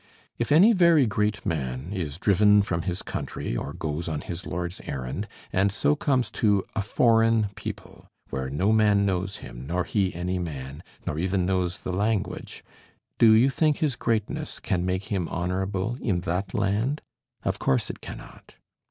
If any very great man is driven from his country, or goes on his lord's errand, and so comes to a foreign people, where no man knows him, nor he any man, nor even knows the language, do you think his greatness can make him honorable in that land? Of course it cannot.